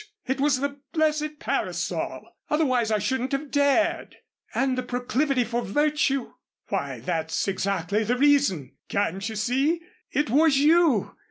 It was the blessed parasol. Otherwise I shouldn't have dared." "And the proclivity for virtue " "Why, that's exactly the reason. Can't you see? It was you!